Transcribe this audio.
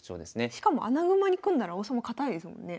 しかも穴熊に組んだら王様堅いですもんね。